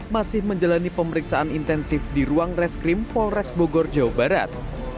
masih menjalani pemeriksaan intensif di ruang reskrim polres bogor jawa barat